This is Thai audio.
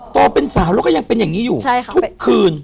ตอนเป็นสาวแล้วก็ยังเป็นอย่างนี้อยู่ทุกคืน